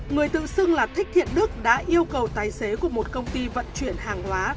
người tự xưng là thích thiện đức đã yêu cầu tài xế của một công ty vận chuyển hàng hóa